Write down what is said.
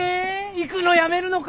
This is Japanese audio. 行くのやめるのか？